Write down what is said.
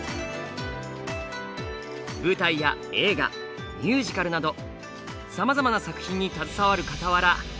舞台や映画ミュージカルなどさまざまな作品に携わるかたわら